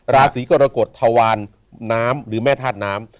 ราศีกรกฎทวารน้ำหรือแม่ธาตุน้ำ